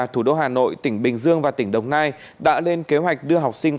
thủ đô hà nội tỉnh bình dương và tỉnh đồng nai đã lên kế hoạch đưa học sinh